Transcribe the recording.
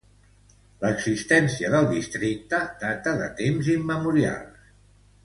L'existència del districte data de temps immemorials.